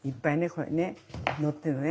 これね載ってるのね。